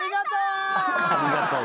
ありがとう。